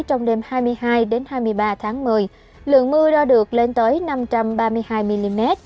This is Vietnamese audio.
trong đêm hai mươi hai hai mươi ba tháng một mươi lượng mưa ra được lên tới năm trăm ba mươi hai mm